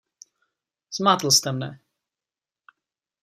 Zmátl jste mne.